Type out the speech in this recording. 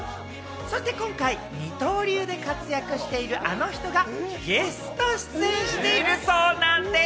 今回、二刀流で活躍している、あの人がゲスト出演しているそうなんです。